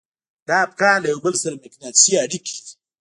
دا افکار له يو بل سره مقناطيسي اړيکې لري.